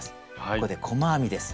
ここで細編みです。